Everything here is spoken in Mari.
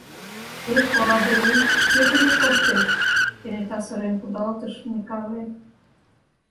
— Эх, ораде вуй, кӧ тыге коштеш? — кенета сырен кудалтыш Микале.